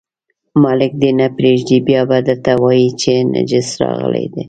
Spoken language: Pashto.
ملک دې نه پرېږدي، بیا به درته وایي چې نجس راغلی دی.